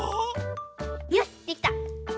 よしできた！